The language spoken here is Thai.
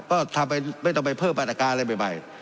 ก็ทำไปไม่ต้องไปเพิ่มปรากฏการณ์อะไรใหม่ใหม่